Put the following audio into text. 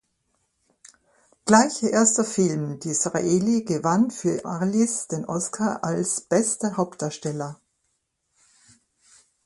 Gleich ihr erster Film "Disraeli" gewann für Arliss den Oscar als bester Hauptdarsteller.